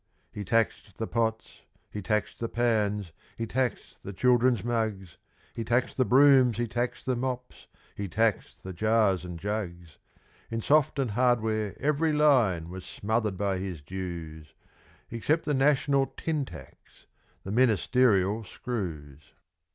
He taxed the pots, he taxed the pans, he taxed the children's mugs, He taxed the brooms, he taxed the mops, He taxed the jars and jugs; In soft and hardware every line was smothered by his dues, Except the national tin tax the Ministerial screws.